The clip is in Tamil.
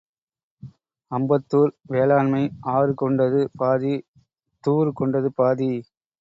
அம்பத்துர் வேளாண்மை ஆறு கொண்டது பாதி துாறு கொண்டது பாதி,